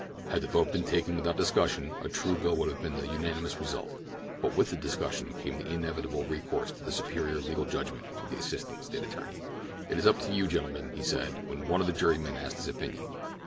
Had the vote been taken without discussion a true bill would have been the unanimous result; but with the discussion came the inevitable recourse to the superior legal judgment of the assistant State attorney. "It is up to you, gentlemen," he said, when one of the jurymen asked his opinion.